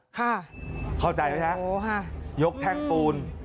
ทำลายใจไหมครับยกแท่งปูน